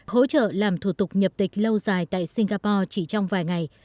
hỗ trợ làm thủ tục nhập tịch lâu dài tại singapore chỉ trong vài ngày